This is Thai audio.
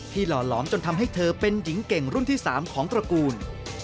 หล่อหลอมจนทำให้เธอเป็นหญิงเก่งรุ่นที่๓ของตระกูล